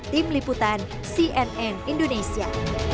tim liputan cnn indonesia